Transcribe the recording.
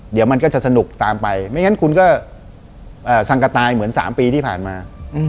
เดี๋ยวมันก็จะสนุกตามไปไม่งั้นคุณก็สังกะตายเหมือน๓ปีที่ผ่านมา